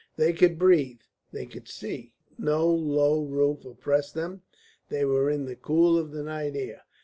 They could breathe; they could see; no low roof oppressed them; they were in the cool of the night air.